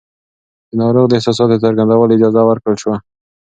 د ناروغ د احساساتو څرګندولو اجازه ورکړل شي.